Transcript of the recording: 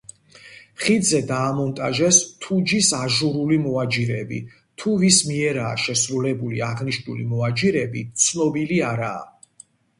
ხიდზე დაამონტაჟეს თუჯის აჟურული მოაჯირები, თუ ვის მიერაა შესრულებული აღნიშნული მოაჯირები, ცნობილი არაა.